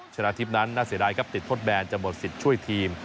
ชนะทิพย์นั้นน่าเสียดายครับติดทดแบนจะหมดสิทธิ์ช่วยทีม